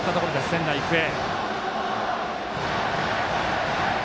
仙台育英。